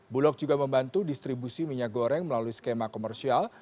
bulog juga membantu distribusi minyak goreng melalui skema komersial